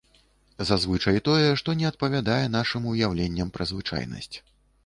Зазвычай тое, што не адпавядае нашым уяўленням пры звычайнасць.